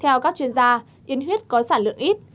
theo các chuyên gia yến huyết có sản lượng ít